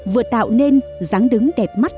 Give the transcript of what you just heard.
vừa tạo nên ráng đứng đẹp mắt